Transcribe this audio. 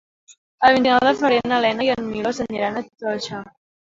El vint-i-nou de febrer na Lena i en Milos aniran a Toixa.